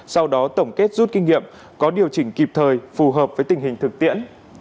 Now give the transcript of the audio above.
sau đó tổng kết rút kinh nghiệm có điều chỉnh kịp thời phù hợp với tình hình thực tiễn